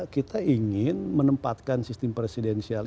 kita ingin menempatkan sistem presidensial